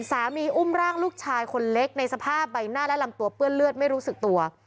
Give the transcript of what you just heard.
อุ้มร่างลูกชายคนเล็กในสภาพใบหน้าและลำตัวเปื้อนเลือดไม่รู้สึกตัว